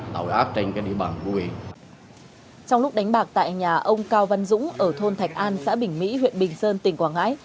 trong lúc đánh bạc tại nhà ông cao văn dũng ở thôn thạch an xã bình mỹ huyện bình sơn tỉnh quảng ngãi